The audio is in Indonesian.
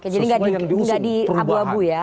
jadi gak di abu abu ya